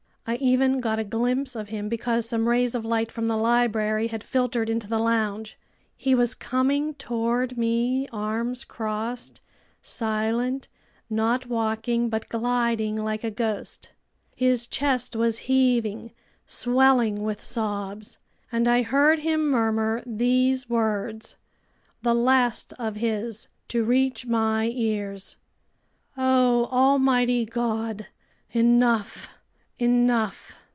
I even got a glimpse of him because some rays of light from the library had filtered into the lounge. He was coming toward me, arms crossed, silent, not walking but gliding like a ghost. His chest was heaving, swelling with sobs. And I heard him murmur these words, the last of his to reach my ears: "O almighty God! Enough! Enough!"